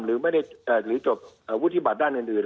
หรือจบวุฒิบัตรด้านอื่น